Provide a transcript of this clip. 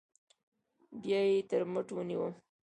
بيا يې تر مټ ونيوم.